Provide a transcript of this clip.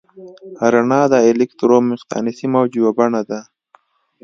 رڼا د الکترومقناطیسي موج یوه بڼه ده.